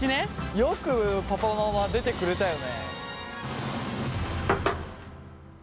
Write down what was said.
よくパパママ出てくれたよね。